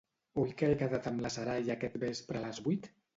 Oi que he quedat amb la Sarai aquest vespre a les vuit?